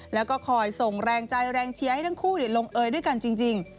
แล้วก็คอยส่งแรงใจแรงเชียร์ให้ทั้งคู่ลงเอยด้วยกันจริง